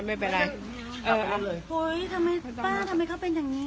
โอ้ยทำไมป้าทำไมเขาเป็นอย่างนี้